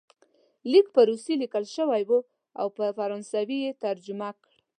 لیک په روسي لیکل شوی وو او په فرانسوي یې ترجمه کړ.